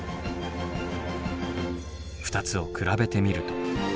２つを比べてみると。